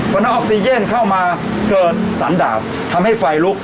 วันนี้ออกซีเย็นเข้ามาเกิดสันดาบทำให้ไฟลุก